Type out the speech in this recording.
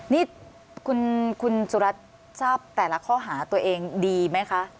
นี่คุณสุรัตน์ทราบแต่ละข้อหาตัวเองดีไหมคะ